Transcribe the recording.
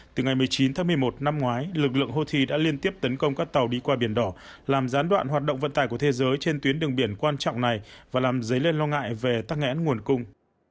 từ ngày một mươi chín tháng một mươi một năm ngoái lực lượng houthi đã liên tiếp tấn công các tàu đi qua biển đỏ làm gián đoạn hoạt động vận tải của thế giới trên tuyến đường biển quan trọng này và làm dấy lên lo ngại về tắc nghẽn nguồn cung